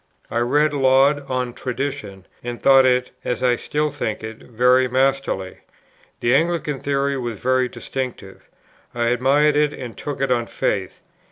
I read Laud on Tradition, and thought it (as I still think it) very masterly. The Anglican Theory was very distinctive. I admired it and took it on faith.